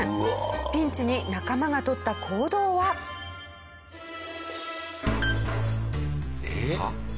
ピンチに仲間がとった行動は。えっ！？